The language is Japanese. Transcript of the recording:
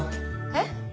えっ？